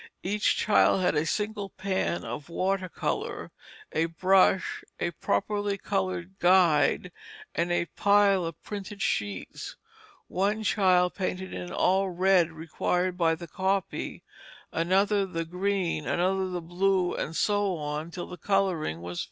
Each child had a single pan of water color, a brush, a properly colored guide, and a pile of printed sheets. One child painted in all the red required by the copy, another the green, another the blue, and so on till the coloring was finished.